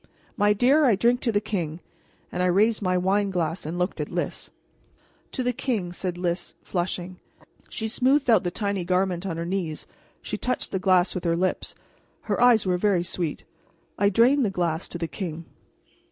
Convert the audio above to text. My dear, I drink to the king!" and I raised my wine glass and looked at Lys. "To the king," said Lys, flushing. She smoothed out the tiny garment on her knees; she touched the glass with her lips; her eyes were very sweet. I drained the glass to the king.